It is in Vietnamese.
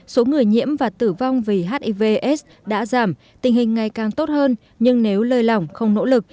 số người nhiễm và tử vong vì hiv s đã giảm tình hình ngày càng tốt hơn nhưng nếu lời lỏng không nỗ lực